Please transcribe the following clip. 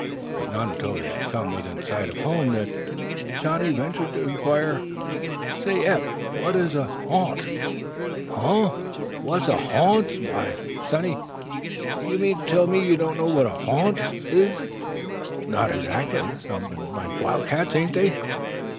It was not until they had come within sight of home that Johnnie ventured to inquire: "Say, Eph, what is a ha'nt?" "Huh! What is ha'nts? Why, sonny, you mean to tell me you don't know what ha'nts is?" "Not exactly; sompin' like wildcats, ain't they?"